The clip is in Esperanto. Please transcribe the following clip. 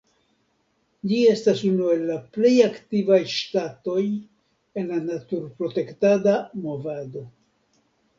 Ĝi estas unu el la plej aktivaj ŝtatoj en la natur-protektada movado.